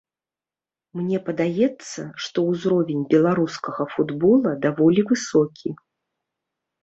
Мне падаецца, што ўзровень беларускага футбола даволі высокі.